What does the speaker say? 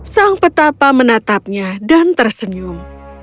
sang petapa menatapnya dan tersenyum